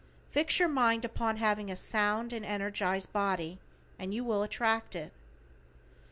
Fix your mind upon having a sound and energized body and you will attract it.